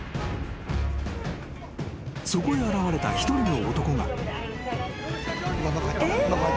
［そこへ現れた一人の男が］